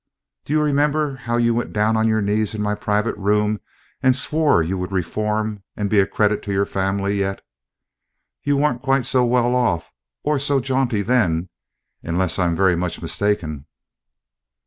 Do you remember how you went down on your knees in my private room and swore you would reform and be a credit to your family yet? You weren't quite so well off, or so jaunty then, unless I am very much mistaken."